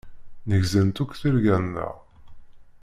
Nnegzant akk tirga-nneɣ.